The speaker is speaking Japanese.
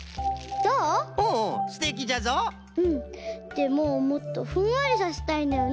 でももっとふんわりさせたいんだよね。